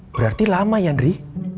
berarti lama ya indri